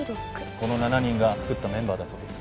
この７人が作ったメンバーだそうです。